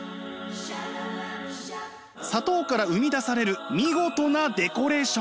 砂糖から生み出される見事なデコレーション！